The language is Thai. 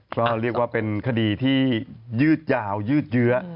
ก็เรียกว่าเป็นคดีที่ยืดยาวยืดเยื้อ